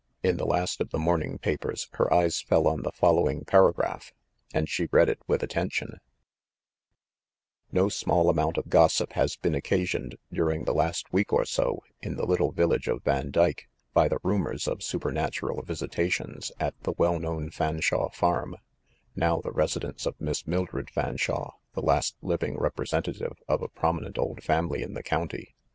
In the last of the morning papers, her eyes fell on the following para graph, and she read it with attention: No small amount of gossip has been occasioned during the last week or so in the little village of Vandyke, by the rumors of supernatural visitations at the well known Fanshawe farm, now the resi dence of Miss Mildred Fanshawe, the last living representative of a prominent old family in the 68 THE MASTER OF MYSTERIES county.